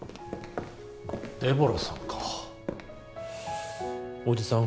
デボラさんかおじさん